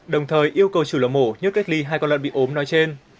đồng thời yêu cầu chủ lò mổ nhốt cách ly hai con lợn bị ốm nói trên